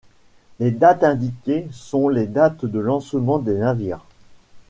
Les dates indiquées sont les dates de lancement des navires.